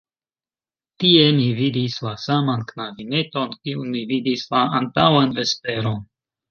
Tie mi vidis la saman knabineton, kiun mi vidis la antaŭan vesperon.